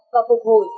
và phục hồi